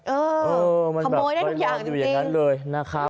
เออขโมยได้ทุกอย่างอยู่อย่างนั้นเลยนะครับ